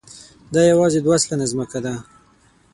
دا یواځې دوه سلنه ځمکه ده.